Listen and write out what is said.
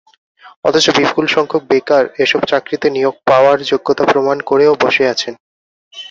অথচ বিপুলসংখ্যক বেকার এসব চাকরিতে নিয়োগ পাওয়ার যোগ্যতা প্রমাণ করেও বসে আছেন।